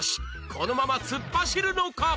このまま突っ走るのか？